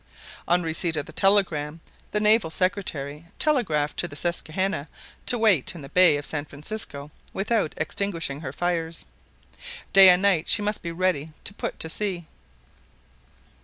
On receipt of the telegram the Naval Secretary telegraphed to the Susquehanna to wait in the bay of San Francisco without extinguishing her fires. Day and night she must be ready to put to sea.